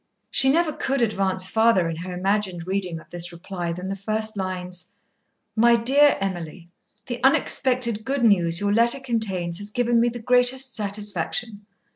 She never could advance farther in her imagined reading of this reply than the first lines: "MY DEAR EMILY, The unexpected good news your letter contains has given me the greatest satisfaction.